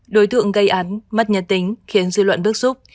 đối thượng gây án mất nhân tính khiến dư luận bức xúc